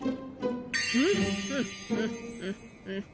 フッフッフッフッ。